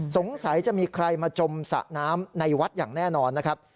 สงสัยจะมีใครมาจมสระน้ำในวัดอย่างแน่นอนนะครับ